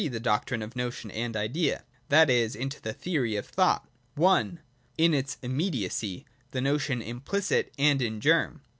The Doctrine of Notion and Idea. That is, into the Theory of Thought : I. In its immediacy : the notion implicit and in germ.